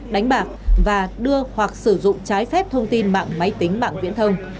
đánh bạc và đưa hoặc sử dụng trái phép thông tin mạng máy tính mạng viễn thông